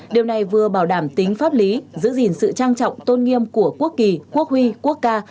điều này vừa bảo đảm tính pháp lý giữ gìn sự trang trọng tôn nghiêm của quốc kỳ quốc huy quốc ca